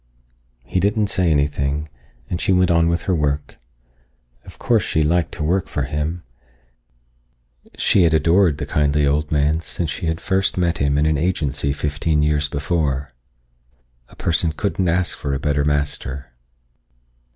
He didn't say anything, and she went on with her work. Of course she liked to work for him. She had adored the kindly old man since first she had met him in an agency fifteen years before. A person couldn't ask for a better master.